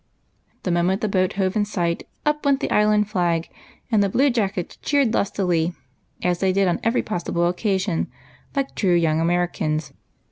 The moment the boat hove in sight up went the Island flag, and the blue jackets cheered lustily, as they did on every possible occasion, like true young Americans.